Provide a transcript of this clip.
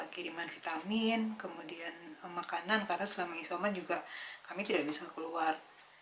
kiriman vitamin kemudian makanan karena selama isoman juga kami tidak bisa keluar